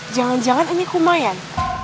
jangan jangan ini lumayan